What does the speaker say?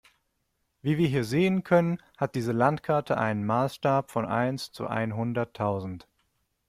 Wie wir hier sehen können, hat diese Landkarte einen Maßstab von eins zu einhunderttausend.